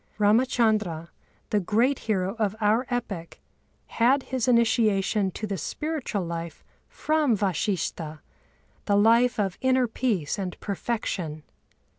Râmachandra, the great hero of our epic, had his initiation to the spiritual life from Vashishtha, the life of inner peace and perfection.